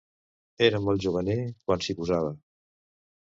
Era molt juganer, quan s'hi posava.